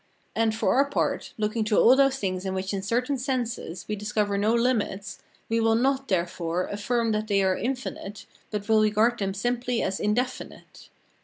And, for our part, looking to all those things in which in certain senses, we discover no limits, we will not, therefore, affirm that they are infinite, but will regard them simply as indefinite.